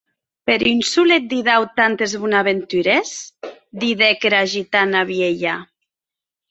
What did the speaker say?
Per un solet didau tantes bonaventures?, didec era gitana vielha.